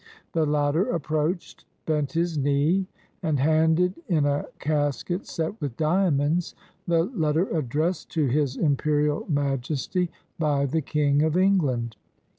The latter approached, bent his knee, and handed, in a casket set with diamonds, the letter addressed to His Imperial Majesty by the King of England.